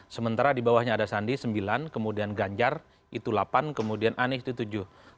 sementara di bawahnya ada sandi sembilan kemudian ganjar itu delapan kemudian anies itu tujuh